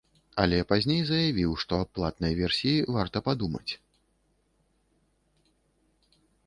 Але пазней заявіў, што аб платнай версіі варта падумаць.